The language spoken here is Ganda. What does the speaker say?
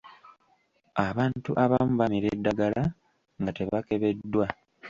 Abantu abamu bamira eddagala nga tebakebeddwa.